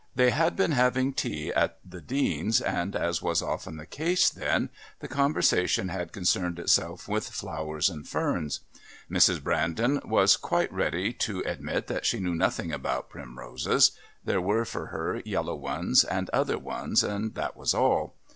They had been having tea at the Dean's, and, as was often the case then, the conversation had concerned itself with flowers and ferns. Mrs. Brandon was quite ready to admit that she knew nothing about primroses there were for her yellow ones and other ones, and that was all.